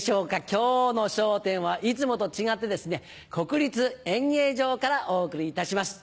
今日の『笑点』はいつもと違って国立演芸場からお送りいたします。